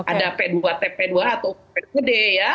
ada p dua tp dua atau p dua d ya